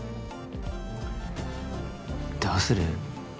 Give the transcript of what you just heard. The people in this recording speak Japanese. どうする？